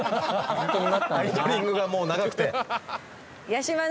アイドリングがもう長くて。